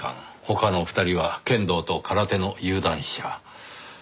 他の２人は剣道と空手の有段者。